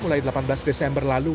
mulai delapan belas desember lalu